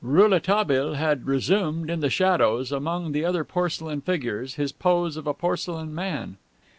Rouletabille had resumed, in the shadows, among the other porcelain figures, his pose of a porcelain man.